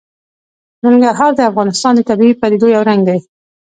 ننګرهار د افغانستان د طبیعي پدیدو یو رنګ دی.